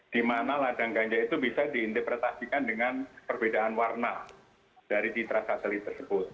di mana ladang ganja itu bisa diinterpretasikan dengan perbedaan warna dari citra satelit tersebut